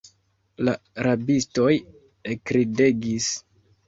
La rabistoj ekridegis.